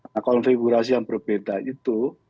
nah konfigurasi yang berbeda itu